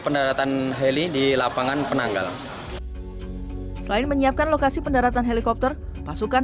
pendaratan heli di lapangan penanggal selain menyiapkan lokasi pendaratan helikopter pasukan